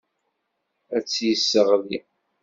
Ad tt-yesseɣli.